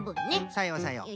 さようさよう。